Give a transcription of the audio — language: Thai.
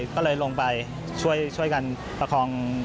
ก็เลยลงไปช่วยกันประคอง